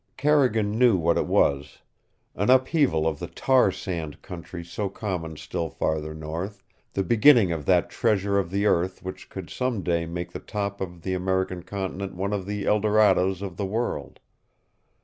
Carrigan knew what it was an upheaval of the tar sand country so common still farther north, the beginning of that treasure of the earth which would some day make the top of the American continent one of the Eldorados of the world.